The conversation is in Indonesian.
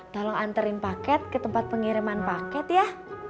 tolong anterin paket ke tempat pengiriman paket ya